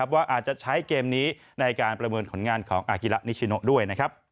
ว่าอาจจะใช้เกมนี้ในการประเมินผลงานของอากิระนิชิโนด้วย